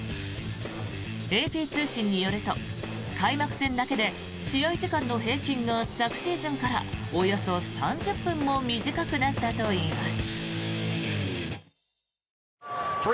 ＡＰ通信によると開幕戦だけで試合時間の平均が昨シーズンから、およそ３０分も短くなったといいます。